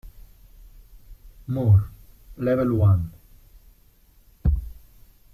More, Level One.